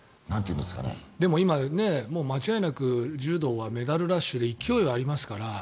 今、間違いなく柔道はメダルラッシュで勢いがありますから。